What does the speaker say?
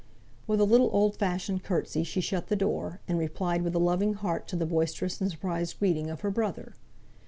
With a little old fashioned curtsey she shut the door, and replied with a loving heart to the boisterous and surprised greeting of her brother.